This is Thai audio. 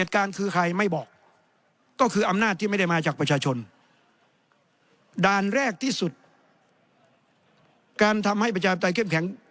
การทำให้ประชาบใจเข้มแข็ง